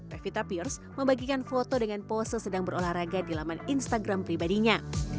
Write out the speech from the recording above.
revita pierce membagikan foto dengan pose sedang berolahraga di laman instagram pribadinya